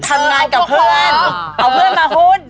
ทำงานกับเพื่อนเอาเพื่อนมาหุ้น